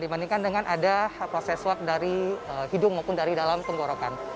dibandingkan dengan ada proses swab dari hidung maupun dari dalam tenggorokan